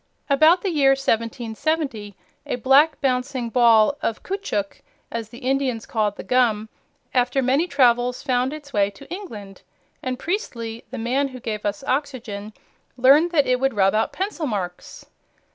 About the year 1770, a black, bouncing ball of caoutchouc, as the Indians called the gum, after many travels found its way to England, and Priestley, the man who gave us oxygen, learned that it would rub out pencil marks.